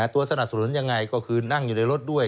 สนับสนุนยังไงก็คือนั่งอยู่ในรถด้วย